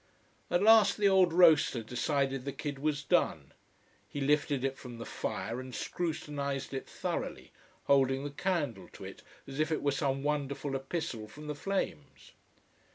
At last the old roaster decided the kid was done. He lifted it from the fire and scrutinised it thoroughly, holding the candle to it, as if it were some wonderful epistle from the flames.